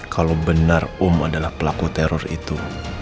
kalau benar om adalah pelaku teror itu